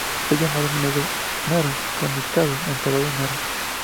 Fue llamado a menudo Nara no Mikado, Emperador de Nara.